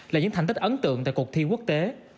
là những thành tích ấn tượng tại cuộc thi quốc tế